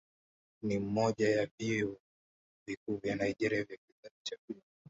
Ni mmoja ya vyuo vikuu vya Nigeria vya kizazi cha pili.